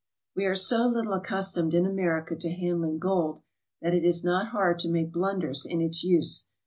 We are so little accustomed in America to handling gold, that it is not hard to make blunders in its use.